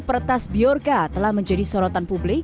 peretas biorka telah menjadi sorotan publik